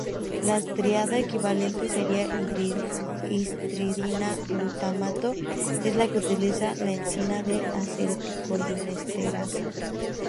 La tríada equivalente serina-histidina-"glutamato" es la que utiliza la enzima acetilcolinesterasa.